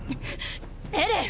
エレン！